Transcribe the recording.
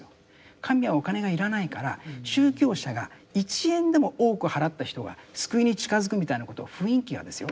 神はお金が要らないから宗教者が１円でも多く払った人が救いに近づくみたいなこと雰囲気がですよ